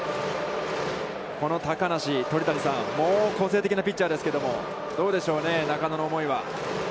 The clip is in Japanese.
この高梨、鳥谷さん、個性的なピッチャーですけども、どうでしょうね、中野の思いは。